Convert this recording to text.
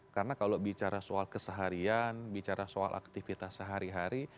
karena kalau bicara soal keseharian bicara soal aktivitas sehari hari